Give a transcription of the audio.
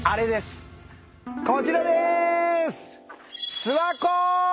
こちらです。